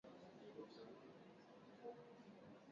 aliitwa mpwa wa Caligula alifanya maisha ya Claudius kuwa hai